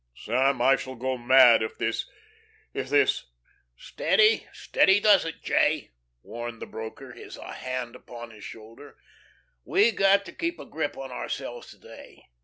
Sam, I shall go mad if this if this " "Steady, steady does it, J.," warned the broker, his hand upon his shoulder, "we got to keep a grip on ourselves to day.